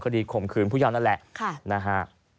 คดีข่มคืนผู้ยอมนั่นแหละค่ะนะฮะ